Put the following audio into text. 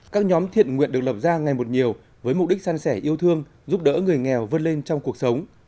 các nhóm thiện nguyện được lập ra ngày một nhiều với mục đích san sẻ yêu thương giúp đỡ người nghèo vươn lên trong cuộc sống